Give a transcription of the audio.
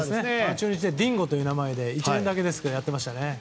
中日でディンゴという名前で１年だけやっていましたね。